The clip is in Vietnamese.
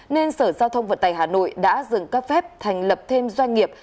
nên sở giao thông vận tài hà nội đã dừng cấp phép thành lập thêm doanh nghiệp